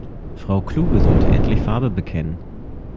Frau Kluge sollte endlich Farbe bekennen.